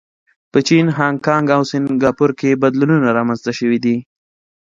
په چین، هانکانګ او سنګاپور کې بدلونونه رامنځته شوي دي.